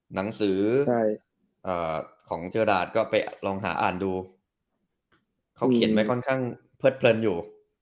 หนังสือของเจอดาดก็ไปลองหาอ่านดูเขาเขียนไว้ค่อนข้างเพิดเพลินอยู่